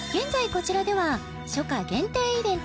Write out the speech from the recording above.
こちらでは初夏限定イベント